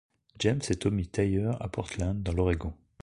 James et Tommy Thayer à Portland, dans l'Oregon.